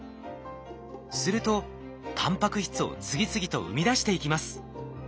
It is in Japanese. するとタンパク質を次々と生み出していきます。